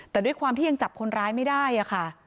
แต่ด้วยความที่ยังจับคนร้ายไม่ได้ค่ะ